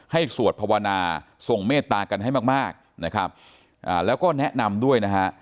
สวดภาวนาทรงเมตตากันให้มากมากนะครับแล้วก็แนะนำด้วยนะฮะ